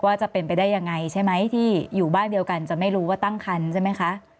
จะเป็นไปได้ยังไงใช่ไหมที่อยู่บ้านเดียวกันจะไม่รู้ว่าตั้งคันใช่ไหมคะ